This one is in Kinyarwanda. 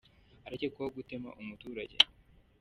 Arakekwaho gutema umuturage